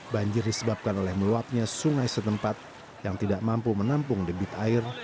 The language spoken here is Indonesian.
banjir disebabkan oleh meluapnya sungai setempat yang tidak mampu menampung debit air